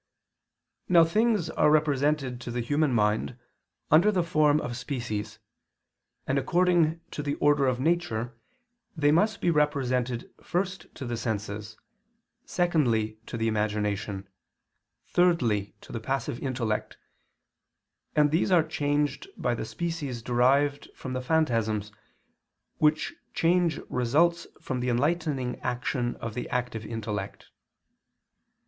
Now things are represented to the human mind under the form of species: and according to the order of nature, they must be represented first to the senses, secondly to the imagination, thirdly to the passive intellect, and these are changed by the species derived from the phantasms, which change results from the enlightening action of the active intellect.